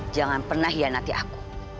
jangan pernah hianati aku